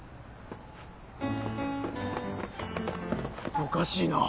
おかしいなぁ？